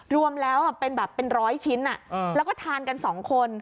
รวมแล้วเป็นแบบเป็นร้อยชิ้นแล้วก็ทานกัน๒คน